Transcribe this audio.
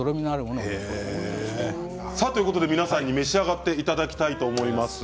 皆さんに召し上がっていただきます。